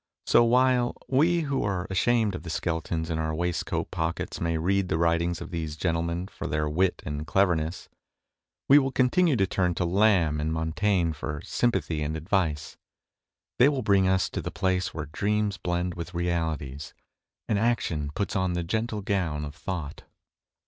So while we who are ashamed of the skeletons in our waistcoat pockets may read the writings of these gentlemen for their wit and cleverness, we will continue to turn to Lamb and Montaigne for sympathy and advice. They will bring us to the place where dreams blend with realities, and action puts on the gentle gown of thought.